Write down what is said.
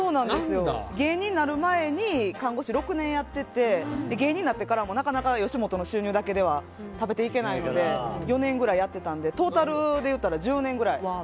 芸人になる前に看護師６年やっていて芸人になってからも吉本の収入だけでは食べていけないので４年ぐらいやってたのでトータルで言ったら１０年ぐらい。